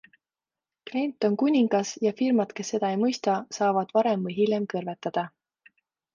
Klient on kuningas ja firmad, kes seda ei mõista, saavad varem või hiljem kõrvetada.